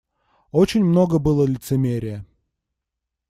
Очень много было лицемерия.